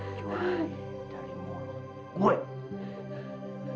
dicurangi dari mu